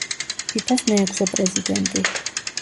ფიფას მეექვსე პრეზიდენტი.